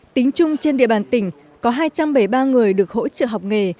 tính chung trên địa bàn tỉnh có hai trăm bảy mươi ba người được hỗ trợ học nghề